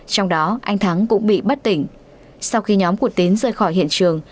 trong đó anh thắng cũng bị bất tỉnh sau khi nhóm của tín rơi khỏi hiện trường